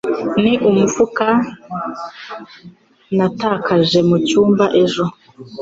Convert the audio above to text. Ni umufuka natakaje mucyumba ejo.